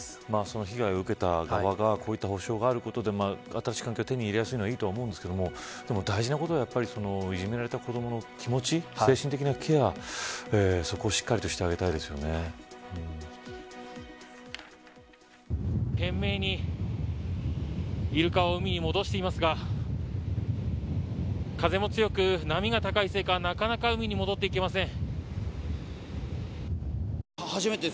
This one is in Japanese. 被害を受けた側がこういった補償があることで新しい環境を手に入れやすいのはいいと思うんですけどでも大事なことはいじめられた子どもの気持ち精神的なケアそこをしっかりとして懸命にイルカを海に戻していますが風も強く波が高いせいかをなかなか海に戻っていきません。